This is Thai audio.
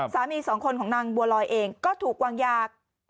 สองคนของนางบัวลอยเองก็ถูกวางยา